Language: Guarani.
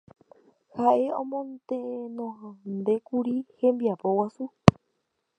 Ha'e omotenondékuri tembiapo guasu